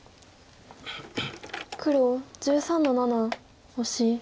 黒１３の七オシ。